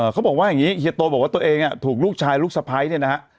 เขาบอกว่าอย่างนี้เฮียโตบอกว่าตัวเองถูกลูกชายลูกสะพ้ายเนี่ยนะฮะ